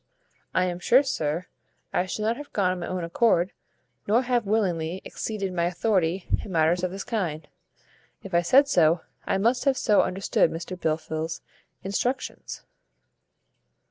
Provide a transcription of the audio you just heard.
"I am sure, sir, I should not have gone on my own accord, nor have willingly exceeded my authority in matters of this kind. If I said so, I must have so understood Mr Blifil's instructions."